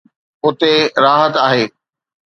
اتي راحت آهي.